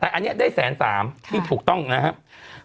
แต่อันนี้ได้แสนสามที่ถูกต้องนะครับ